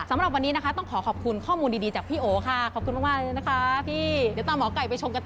สำหรับวันนี้นะคะต้องขอขอบคุณข้อมูลดีจากพี่โอค่ะขอบคุณมาก